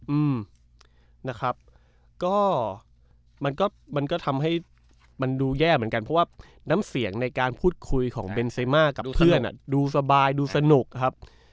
อืมนะครับก็มันก็มันก็ทำให้มันดูแย่เหมือนกันเพราะว่าน้ำเสียงในการพูดคุยของเบนเซมากับเพื่อนอ่ะดูสบายดูสนุกครับ